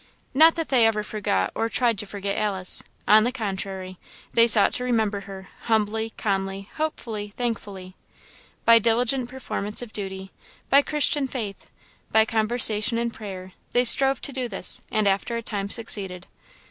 Not that they ever forgot, or tried to forget Alice; on the contrary, they sought to remember her, humbly, calmly, hopefully, thankfully! By diligent performance of duty, by Christian faith, by conversation and prayer, they strove to do this; and after a time succeeded.